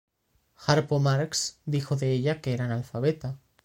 Harpo Marx dijo de ella que era analfabeta.